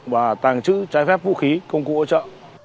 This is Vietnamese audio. và tàng trữ trái phép vũ khí công cụ ấu trợ